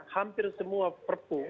hampir semua perpu